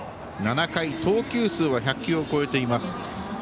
７回、投球数は１００球を超えています。